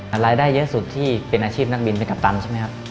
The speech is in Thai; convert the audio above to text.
รายได้เยอะสุดที่เป็นอาชีพนักบินเป็นกัปตันใช่ไหมครับ